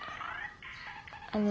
あの。